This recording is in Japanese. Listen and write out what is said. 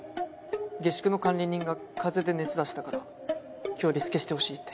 下宿の管理人が風邪で熱出したから今日リスケしてほしいって。